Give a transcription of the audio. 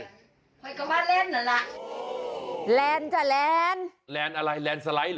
ไปกับบ้านแลนเหรอล่ะแลนจะแลนแลนอะไรแลนสไลด์เหรอ